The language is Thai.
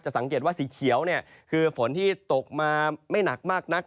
สังเกตว่าสีเขียวคือฝนที่ตกมาไม่หนักมากนัก